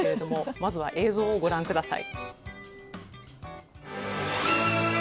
まずは映像をご覧ください。